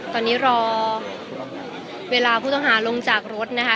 ตอนนี้รอเวลาผู้ต้องหาลงจากรถนะคะ